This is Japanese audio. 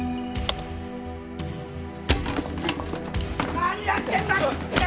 何やってんだ！